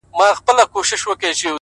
نه لري هيـڅ نــنــــگ-